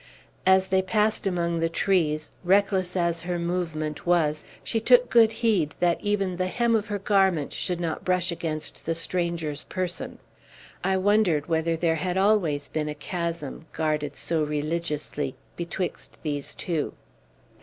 As they passed among the trees, reckless as her movement was, she took good heed that even the hem of her garment should not brush against the stranger's person. I wondered whether there had always been a chasm, guarded so religiously, betwixt these two.